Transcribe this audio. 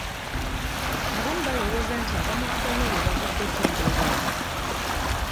Abamu balowooza nti abamuvuganya be bavuddeko embeera eno